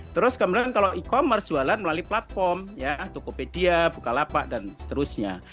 terus kemudian kalau e commerce jualan melalui platform ya tokopedia bukalapak dan seterusnya